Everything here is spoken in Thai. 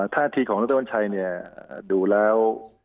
ถ้าทีของโรคเตอร์วันชัยดูแล้ว